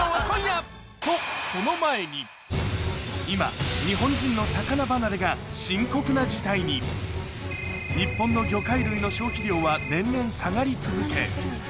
今日本人の魚離れが深刻な事態に日本の魚介類の消費量は年々下がり続け